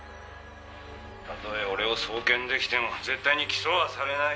「たとえ俺を送検出来ても絶対に起訴はされない」